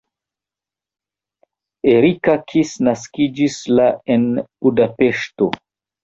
Erika Kiss naskiĝis la en Budapeŝto.